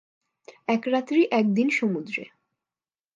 এক রাত্রি এক দিন সমুদ্রে।